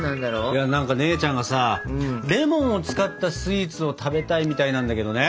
いや何か姉ちゃんがさレモンを使ったスイーツを食べたいみたいなんだけどね。